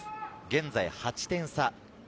現在、８点差。